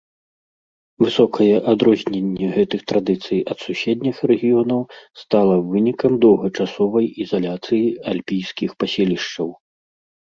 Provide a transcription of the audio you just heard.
Высокае адрозненне гэтых традыцый ад суседніх рэгіёнаў стала вынікам доўгачасовай ізаляцыі альпійскіх паселішчаў.